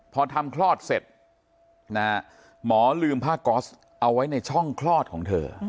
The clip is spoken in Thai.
พอทำคลอดเสร็จหมอลืมผ้าก๊อสเอาไว้ในช่องคลอดของเธอ